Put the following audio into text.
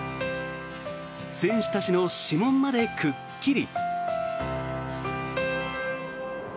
選手たちの指紋までくっきり。